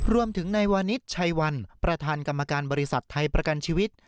รวมถึงนายวานิสชัยวันประธานกรรมการบริษัทไทยประกันชีวิต